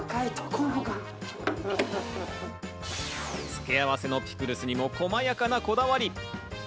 付けあわせのピクルスにも細やかなこだわり。